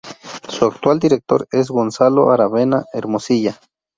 Su actual director es Gonzalo Aravena Hermosilla.